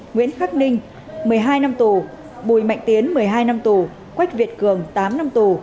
nguyễn khắc ninh một mươi hai năm tù bùi mạnh tiến một mươi hai năm tù quách việt cường tám năm tù